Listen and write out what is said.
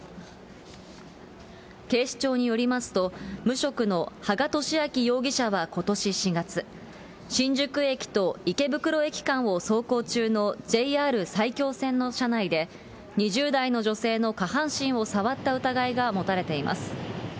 警視庁によりますと、無職の羽賀聡明容疑者はことし４月、新宿駅と池袋駅間を走行中のＪＲ埼京線の車内で、２０代の女性の下半身を触った疑いが持たれています。